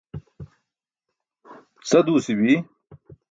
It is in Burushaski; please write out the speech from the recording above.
sa duusi bi